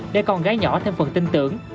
để con gái nhỏ thêm phần tin tưởng